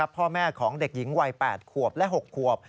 พ่อแม่ของเด็กหญิงวัย๘ขวบและ๖ขวบ